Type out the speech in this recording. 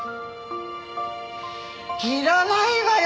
いわないわよ